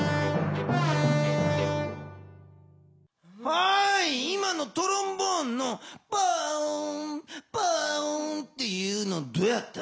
はい今のトロンボーンの「パオーンパオーン」っていうのどうやった？